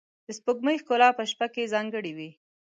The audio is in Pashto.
د سپوږمۍ ښکلا په شپه کې ځانګړې وه.